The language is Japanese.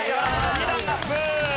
２段アップ！